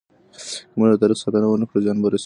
که موږ د تاريخ ساتنه ونه کړو، زيان به رسيږي.